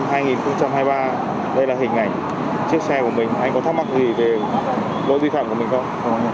anh là hình ảnh chiếc xe của mình anh có thắc mắc gì về lỗi vi phạm của mình không